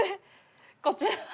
こちらを。